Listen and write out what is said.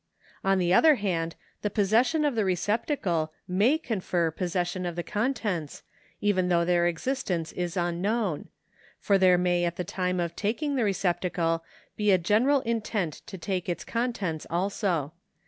On the other hand the possession of the receptacle may confer posses sion of the contents, even though their existence is unknown ; for there may at the time of taking the receptacle be a general intent to take its contents also.